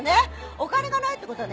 お金がないってことはね